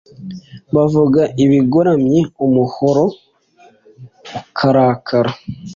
bavuga ibigoramye umuhoro ukarakara